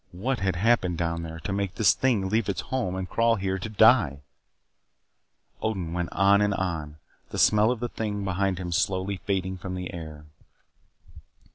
What had happened down there to make this thing leave its home and crawl here to die! Odin went on and on, and the smell of the thing behind him slowly faded from the air.